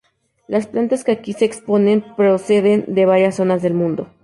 Las plantas que aquí se exponen proceden de varias zonas del mundo.